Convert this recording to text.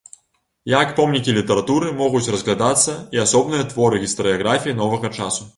Як помнікі літаратуры могуць разглядацца і асобныя творы гістарыяграфіі новага часу.